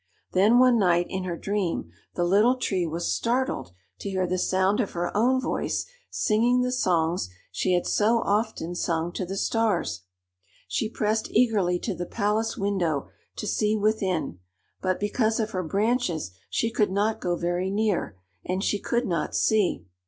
Then one night in her dream the Little Tree was startled to hear the sound of her own voice singing the songs she had so often sung to the Stars. She pressed eagerly to the palace window to see within, but because of her branches she could not go very near, and she could not see.